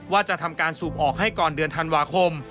ว่าจะทำการสูบออกให้ก่อนเดือนธันวาคม